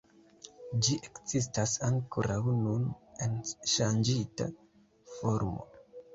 Ĝi ekzistas ankoraŭ nun en ŝanĝita formo.